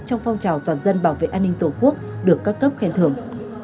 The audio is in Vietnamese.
trong phong trào toàn dân bảo vệ an ninh tổ quốc được các cấp khen thưởng